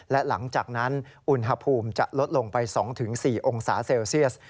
และหลังจากนั้นอุณหภูมิจะลดลงไป๒๔องศาเซลเซียส